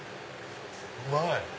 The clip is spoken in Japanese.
うまい。